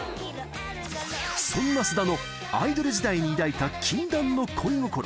そんな須田のアイドル時代に抱いた禁断の恋心。